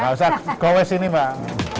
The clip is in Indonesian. gausah gowes ini mbak